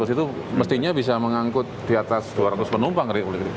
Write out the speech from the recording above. dua ratus itu mestinya bisa mengangkut di atas dua ratus penumpang